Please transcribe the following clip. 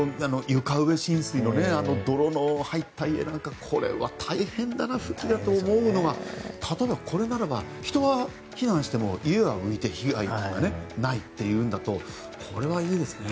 床上浸水のあの泥の入った家なんかこれは大変だな復旧はと思うのは例えば、これならば人は避難しても家は浮いて被害がないというのだとこれはいいですね。